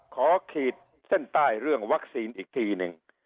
ขีดเส้นใต้เรื่องวัคซีนอีกทีหนึ่ง